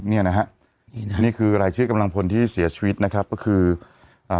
เนี่ยนะฮะนี่คือรายชื่อกำลังพลที่เสียชีวิตนะครับก็คืออ่า